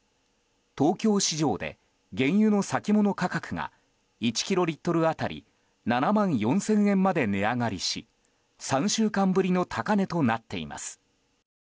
東京市場で原油の先物価格が１キロリットル当たり７万４０００円まで値上がりし３週間ぶりの高値となっています。